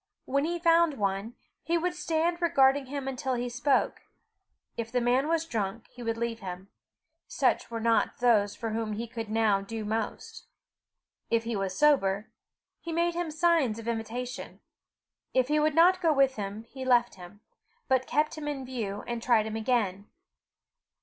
When he found one, he would stand regarding him until he spoke. If the man was drunk he would leave him: such were not those for whom he could now do most. If he was sober, he made him signs of invitation. If he would not go with him, he left him, but kept him in view, and tried him again.